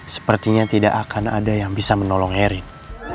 sepertinya tidak akan ada yang bisa menolong harrin